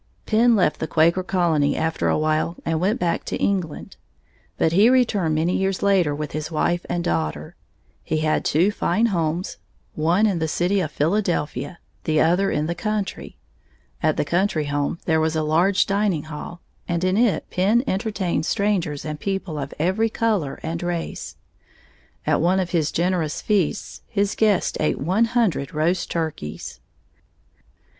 Penn left the Quaker colony after a while and went back to England. But he returned many years later with his wife and daughter. He had two fine homes, one in the city of Philadelphia, the other in the country. At the country home there was a large dining hall, and in it Penn entertained strangers and people of every color and race. At one of his generous feasts his guests ate one hundred roast turkeys.